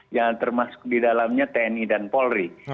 yang termasuk di dalamnya tni dan polri